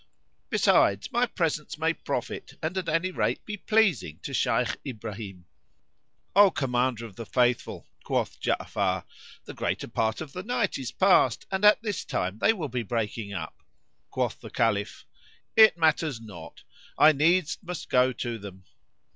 Besides, my presence may profit and at any rate be pleasing to Shaykh Ibrahim." "O Commander of the Faithful," quoth Ja'afar, "the greater part of the night is passed, and at this time they will be breaking up." Quoth the Caliph, "It matters not: I needs must go to them."